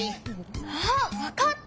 あっわかった！